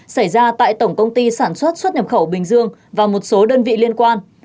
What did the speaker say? xảy ra tại tổng công ty sản xuất xuất nhập khẩu bình dương và một số đơn vị liên quan